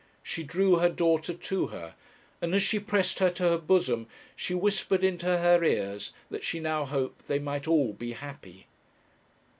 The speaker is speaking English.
She drew her daughter to her, and as she pressed her to her bosom, she whispered into her ears that she now hoped they might all be happy.